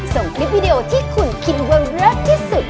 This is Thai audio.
ส่งคลิปวิดีโอที่คุณคิดว่าเลิศที่สุด